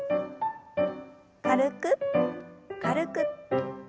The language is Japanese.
軽く軽く。